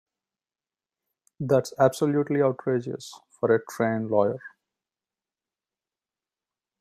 That's absolutely outrageous for a trained lawyer.